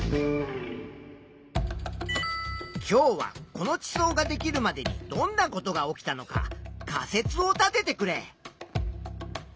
今日はこの地層ができるまでにどんなことが起きたのか仮説を立ててくれ。